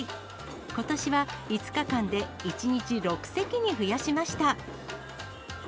ことしは５日間で１日６席に増やしました。